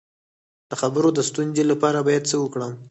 د خبرو د ستونزې لپاره باید څه وکړم؟